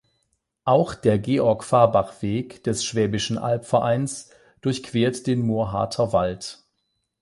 Auch der Georg-Fahrbach-Weg des Schwäbischen Albvereins durchquert den Murrhardter Wald.